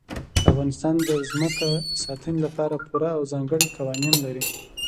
افغانستان د ځمکه د ساتنې لپاره پوره او ځانګړي قوانین لري.